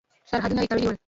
سرحدونه تړلي ول.